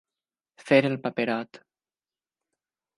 Fer el paperot.